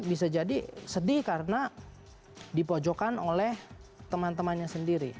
bisa jadi sedih karena dipojokan oleh teman temannya sendiri